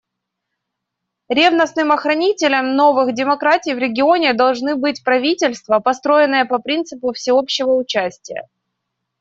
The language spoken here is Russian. Ревностным охранителем новых демократий в регионе должны быть правительства, построенные по принципу всеобщего участия.